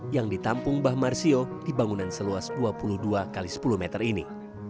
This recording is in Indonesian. yang ditampung mbah marsio di bangunan seluas dua puluh dua x sepuluh meter ini